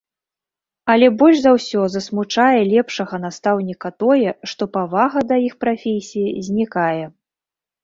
Але больш за ўсё засмучае лепшага настаўніка тое, што павага да іх прафесіі знікае.